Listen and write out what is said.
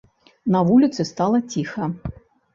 На вуліцы стала ціха.